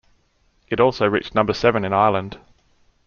It also reached number seven in Ireland.